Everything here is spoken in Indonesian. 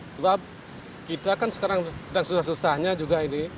sebab kita kan sekarang sedang susah susahnya juga ini